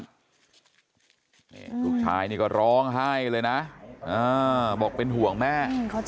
นี่ลูกชายนี่ก็ร้องไห้เลยนะบอกเป็นห่วงแม่